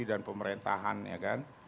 dan pemerintahan ya kan